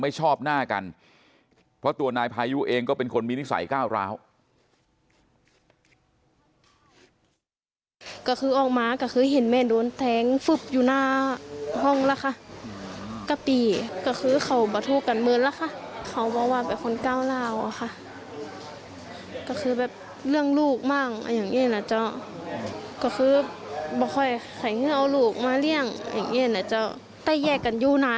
ชอบหน้ากันเพราะตัวนายพายุเองก็เป็นคนมีนิสัยก้าวร้าว